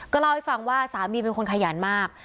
เล่าให้ฟังว่าสามีเป็นคนขยันมาก